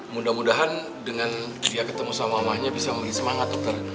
mudah mudahan dengan dia ketemu sama mamanya bisa memberi semangat dokter